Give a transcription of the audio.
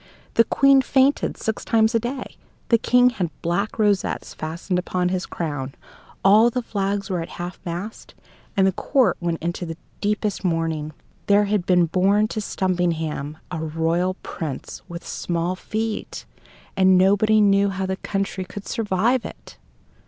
The Queen fainted six times a day; the King had black rosettes fastened upon his crown; all the flags were at half mast; and the court went into the deepest mourning. There had been born to Stumpinghame a royal prince with small feet, and nobody knew how the country could survive it!